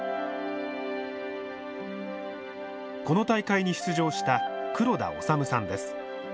この大会に出場した黒田脩さんです。